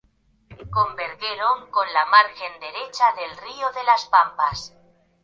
Convergiendo con la margen derecha del río de Las Pampas.